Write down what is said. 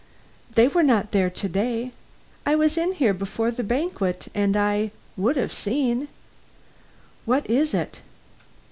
They were not there to day. I was in here before the banquet, and I would have seen. What is it?